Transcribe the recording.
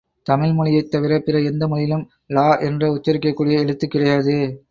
தமிழ் மொழியைத் தவிர, பிற எந்த மொழியிலும் ழ என்று உச்சரிக்கக்கூடிய எழுத்து கிடையாது.